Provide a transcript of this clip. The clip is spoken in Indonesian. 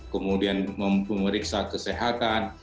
kemudian pemeriksaan kesehatan